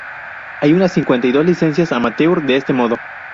Hay unas cincuenta y dos licencias amateur de este modo.